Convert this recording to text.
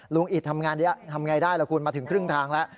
อิตทำงานนี้ทำไงได้ล่ะคุณมาถึงครึ่งทางแล้ว